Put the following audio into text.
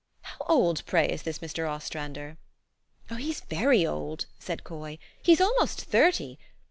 " How old, pray, is this Mr. Ostrander? "" Oh, he's very old!" said Coy: "he's almost thirty.